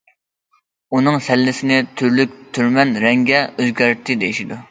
ئۇنىڭ سەللىسىنى تۈرلۈك-تۈمەن رەڭگە ئۆزگىرەتتى دېيىشىدۇ.